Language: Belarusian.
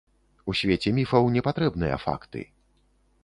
У свеце міфаў не патрэбныя факты.